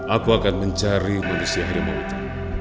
aku akan mencari manusia harimau itu